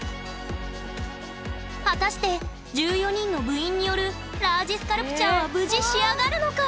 果たして１４人の部員によるラージスカルプチャーは無事仕上がるのか！